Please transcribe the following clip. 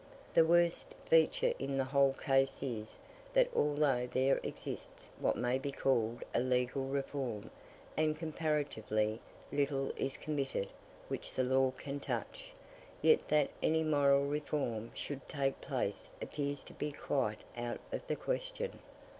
The worst feature in the whole case is, that although there exists what may be called a legal reform, and comparatively little is committed which the law can touch, yet that any moral reform should take place appears to be quite out of the question.